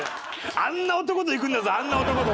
あんな男と行くんだぞあんな男と。